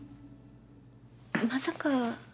まさか。